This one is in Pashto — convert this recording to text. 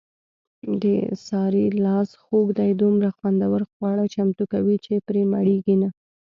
د سارې لاس خوږ دی دومره خوندور خواړه چمتو کوي، چې پرې مړېږي نه.